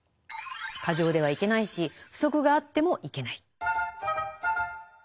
過剰ではいけないし不足があってもいけない。